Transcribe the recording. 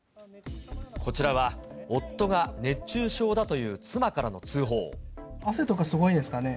こちらは、夫が熱中症だとい汗とかすごいですかね？